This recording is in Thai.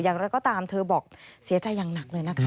อย่างไรก็ตามเธอบอกเสียใจอย่างหนักเลยนะคะ